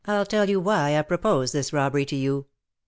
Merrill] "I'll tell you why I proposed this robbery to you.